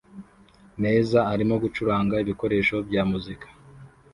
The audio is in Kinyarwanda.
meza arimo gucuranga ibikoresho bya muzika